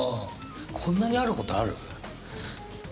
こんなにある事ある？